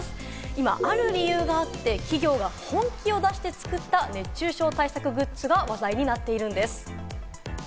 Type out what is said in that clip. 今、ある理由があって企業が本気を出して作った熱中症対策グッズが話題になっているんです。